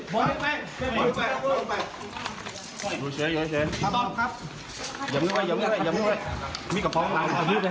เปล่าเปล่าเปล่าเปล่าเปล่าเปล่า